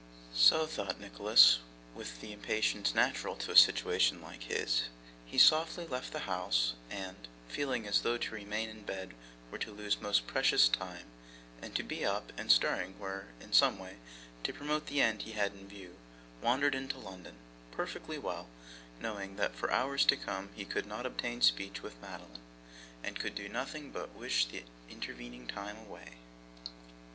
So thought Nicholas, when, with the impatience natural to a situation like his, he softly left the house, and, feeling as though to remain in bed were to lose most precious time, and to be up and stirring were in some way to promote the end he had in view, wandered into London; perfectly well knowing that for hours to come he could not obtain speech with Madeline, and could do nothing but wish the intervening time away.